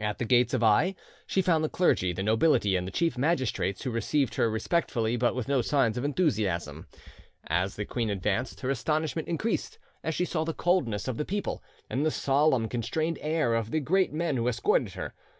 At the gates of Aix she found the clergy, the nobility, and the chief magistrates, who received her respectfully but with no signs of enthusiasm. As the queen advanced, her astonishment increased as she saw the coldness of the people and the solemn, constrained air of the great men who escorted her.